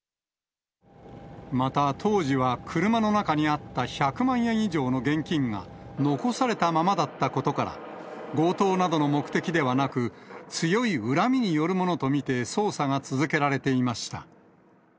また、当時は車の中にあった１００万円以上の現金が残されたままだったことから、強盗などの目的ではなく、強い恨みによるものと見て捜査が続けられていました。